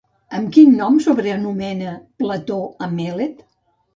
Amb quin mot sobrenomena Plató a Mèlet?